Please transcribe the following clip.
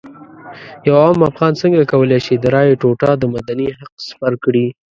یو عام افغان څنګه کولی شي د رایې ټوټه د مدني حق سپر کړي.